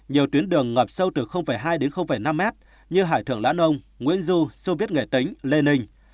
nhiều chuyến đường ngập sâu từ hai đến năm mét như hải thượng lã nông nguyễn du sô viết nghệ tĩnh lê ninh